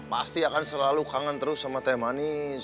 pasti akan selalu kangen terus sama teh manis